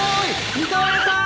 三河屋さん！